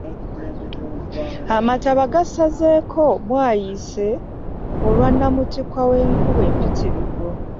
Amataba gasazeeko bwayiise olwa namutiti wenkuba empitirivu.